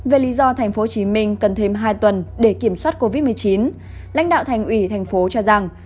về lý do tp hcm cần thêm hai tuần để kiểm soát covid một mươi chín lãnh đạo thành ủy thành phố cho rằng